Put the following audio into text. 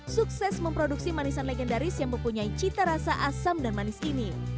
sukses memproduksi manisan legendaris yang mempunyai cita rasa asam dan manis ini